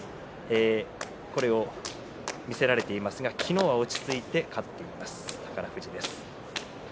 これを見せられていますが昨日は落ち着いて勝っています、宝富士です。